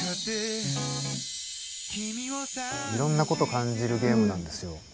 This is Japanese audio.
いろんなこと感じるゲームなんですよ。